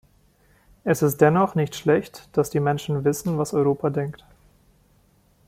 Es ist dennoch nicht schlecht, dass die Menschen wissen, was Europa denkt.